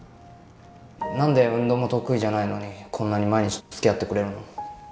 何で運動も得意じゃないのにこんなに毎日つきあってくれるの？